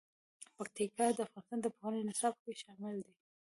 پکتیکا د افغانستان د پوهنې نصاب کې شامل دي.